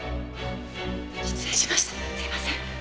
失礼しましたすいません。